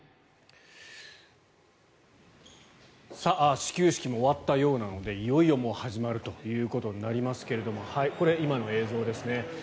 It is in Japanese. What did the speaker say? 始球式も終わったようなのでいよいよ始まるということになりますけれどもこれ、今の映像ですね。